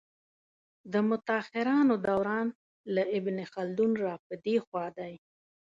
د متاخرانو دوران له ابن خلدون را په دې خوا دی.